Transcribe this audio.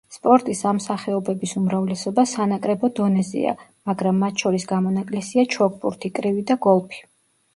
სპორტის ამ სახეობების უმრავლესობა, სანაკრებო დონეზეა, მაგრამ მათ შორის გამონაკლისია ჩოგბურთი, კრივი და გოლფი.